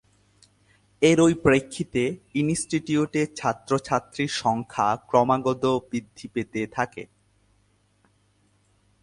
এরই প্রেক্ষিতে ইনস্টিটিউটে ছাত্র-ছাত্রীর সংখ্যা ক্রমাগত বৃদ্ধি পেতে থাকে।